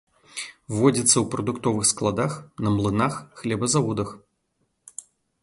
Водзіцца ў прадуктовых складах, на млынах, хлебазаводах.